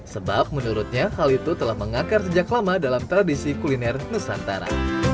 sebab menurutnya hal itu telah mengakar sejak lama dalam tradisi kuliner nusantara